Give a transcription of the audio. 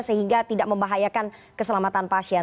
sehingga tidak membahayakan keselamatan pasien